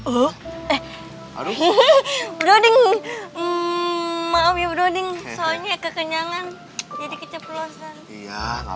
oh aduh broding maunya broding soalnya kekenyangan jadi keceplosan ya nggak